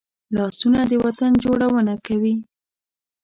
لاسونه د وطن جوړونه کوي